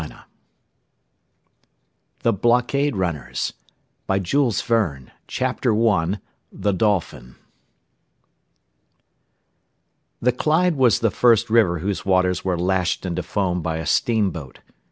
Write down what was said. MUNGO THE BLOCKADE RUNNERS Chapter I THE DOLPHIN The Clyde was the first river whose waters were lashed into foam by a steam boat.